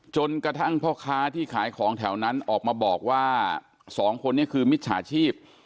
จนกระทั่งพ่อค้าที่ขายของแถวนั้นออกมาบอกว่าสองคนนี้คือมิจฉาชีพ